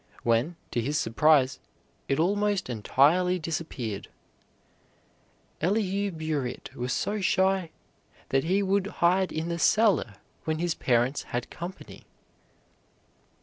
when, to his surprise, it almost entirely disappeared. Elihu Burritt was so shy that he would hide in the cellar when his parents had company.